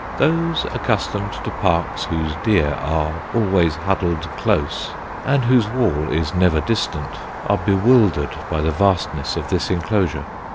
Those accustomed to parks whose deer are always huddled close and whose wall is never distant, are bewildered by the vastness of this enclosure.